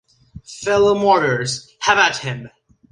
Fellow-martyrs, have at him!